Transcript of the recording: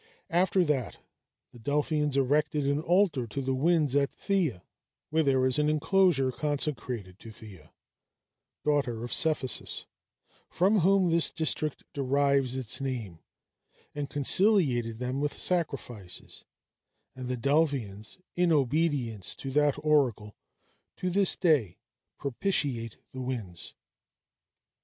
After that, the Delphians erected an altar to the winds at Thyia, where there is an inclosure consecrated to Thyia, daughter of Cephisus, from whom this district derives its name, and conciliated them with sacrifices; and the Delphians, in obedience to that oracle, to this day propitiate the winds.